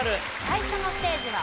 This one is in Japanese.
最初のステージは。